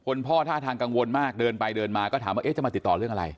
พ่อท่าทางกังวลมากเดินไปเดินมาก็ถามว่าเอ๊ะจะมาติดต่อเรื่องอะไร